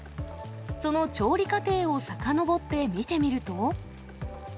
その調理過程をさかのぼって見てみると。